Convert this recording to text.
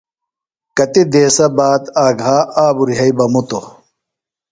کتیۡ دیسہ باد آگھا آبرُوۡ یھئی بہ مُتوۡ۔